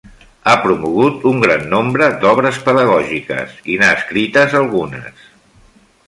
Ha promogut un gran nombre d'obres pedagògiques, i n'ha escrites algunes.